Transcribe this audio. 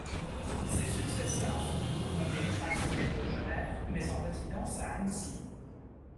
Ses successeurs sont toujours nommés princes-évêques de Genève, mais en résidence à Annecy.